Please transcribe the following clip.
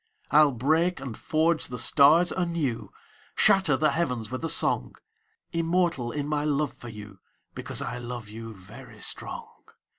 I'll break and forge the stars anew, Shatter the heavens with a song; Immortal in my love for you, Because I love you, very strong.